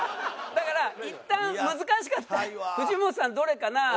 だからいったん難しかったら藤本さんどれかな？